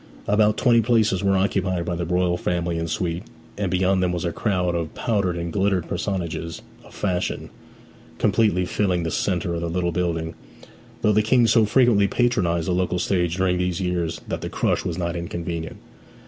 About twenty places were occupied by the royal family and suite; and beyond them was a crowd of powdered and glittering personages of fashion, completely filling the centre of the little building; though the King so frequently patronized the local stage during these years that the crush was not inconvenient.